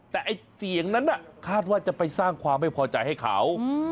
แต่ไอ้เสียงนั้นคาดว่าจะไปสร้างความไม่พอใจให้เขา